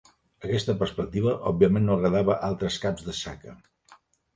Aquesta perspectiva òbviament no agradava a altres caps de Saka.